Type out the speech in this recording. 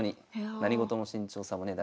何事も慎重さもね